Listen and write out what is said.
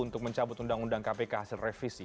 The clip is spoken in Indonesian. untuk mencabut undang undang kpk hasil revisi